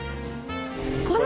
これ？